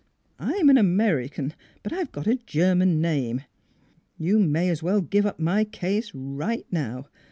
I'm an American, but I've got a Ger man name. ... You may as well give up my case right now.